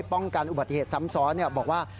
ป้องกันอุบัติเหตุซ้ำซ้อนบอกว่า